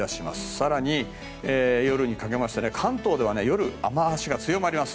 更に夜にかけて関東では夜、雨脚が強まります。